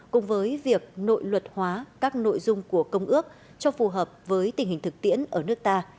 cùng với việc nội luật hóa các nội dung của công ước cho phù hợp với tình hình thực tiễn ở nước ta